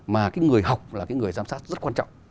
mà cái người học là cái người giám sát rất quan trọng